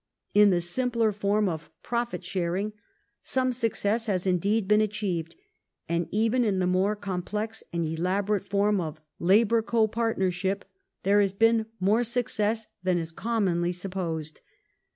In the simpler form of profit sharing" some success has indeed been achieved, and even in the more complex and elaborate form of " labour co partnership " there has been more success than is commonly supposed.